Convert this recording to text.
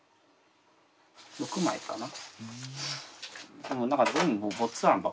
６枚かな？